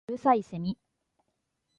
五月蠅いセミ